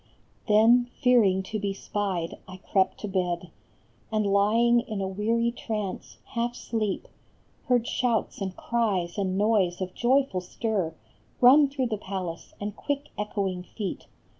Then, fearing to be spied, I crept to bed ; And lying in a weary trance, half sleep, Heard shouts and cries and noise of joyful stir Run through the palace, and quick echoing feet.